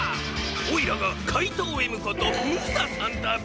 おいらがかいとうＭことムサさんだビ！